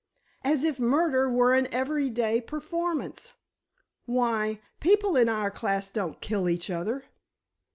As if murder were an everyday performance! Why, people in our class don't kill each other!"